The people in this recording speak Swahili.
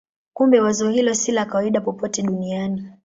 Kumbe wazo hilo si la kawaida popote duniani.